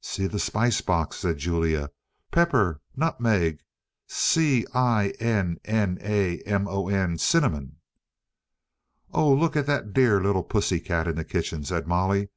"See the spice box," said Julia. "Pepper, nutmeg, c i n n a m o n, cinnamon." "Oh, look at that dear little pussy cat in the kitchen!" said Molly.